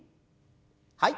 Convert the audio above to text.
はい。